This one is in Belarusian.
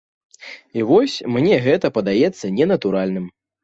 І вось мне гэта падаецца ненатуральным.